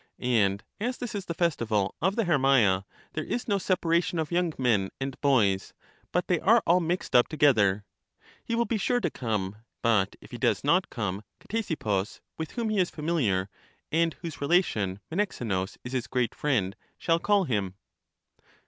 And as this is the festival of the Hermaea, there is no separation of young men and boys, but they are all mixed up to gether. He will be sure to come; but if he does not 54 LYSIS come, Ctesippus, with whom he is f amihar, and whose relation Menexenus is his great friend, shall call him.